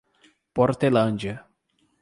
Portelândia